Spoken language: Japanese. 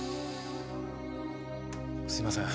すいません。